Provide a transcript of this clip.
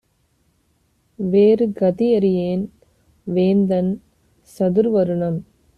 வேறு கதியறியேன்; வேந்தன் சதுர்வருணம்